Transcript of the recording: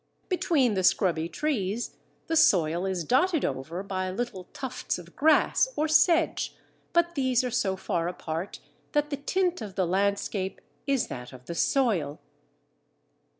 Between the scrubby trees the soil is dotted over by little tufts of grass or sedge, but these are so far apart that the tint of the landscape is that of the soil.